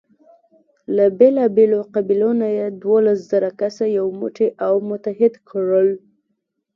له بېلابېلو قبیلو نه یې دولس زره کسه یو موټی او متحد کړل.